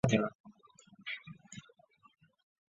拆除后的空地辟为县民广场及屏东转运站。